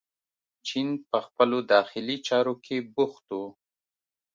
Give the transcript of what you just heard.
چین په خپلو داخلي چارو کې بوخت و.